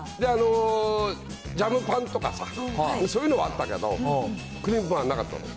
ジャムパンとかさ、そういうのはあったけど、クリームパンはなかったの。